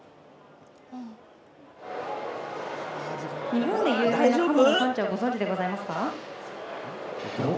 日本で有名な鴨の産地はご存じでございますか？